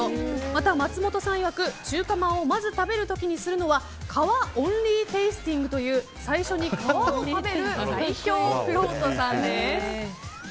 また、松本さんいわく中華まんをまず食べる時にするのは皮オンリーテイスティングという最初に皮を食べる最強くろうとさんです。